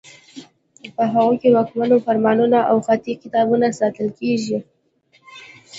په هغو کې د واکمنانو فرمانونه او خطي کتابونه ساتل کیږي.